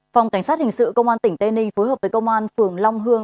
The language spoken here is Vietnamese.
phòng cảnh sát hình sự công an tỉnh tây ninh phối hợp với công an phường long hương